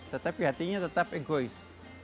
tetapi hatinya tetap egois